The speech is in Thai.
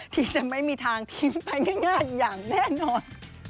ที่จะไม่มีทางทิ้งไปง่ายอย่างแน่นอน